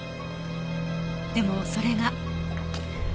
でもそれが。